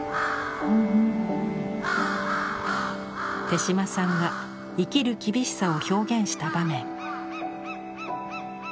手島さんが生きる厳しさを表現した場面。